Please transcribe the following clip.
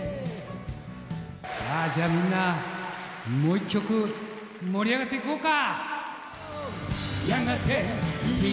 さあ、じゃあみんな、もう一曲盛り上がっていこうか。